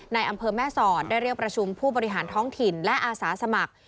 ในอำเภอแม่สอดได้เรียกประชุมผู้บริหารท้องถิ่นและอาสาสมัคร